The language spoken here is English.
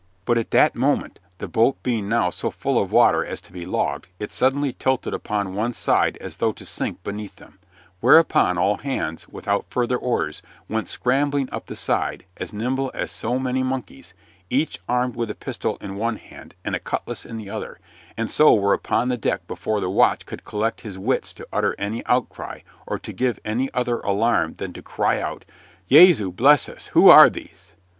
But at that moment, the boat being now so full of water as to be logged, it suddenly tilted upon one side as though to sink beneath them, whereupon all hands, without further orders, went scrambling up the side, as nimble as so many monkeys, each armed with a pistol in one hand and a cutlass in the other, and so were upon deck before the watch could collect his wits to utter any outcry or to give any other alarm than to cry out, "Jesu bless us! who are these?"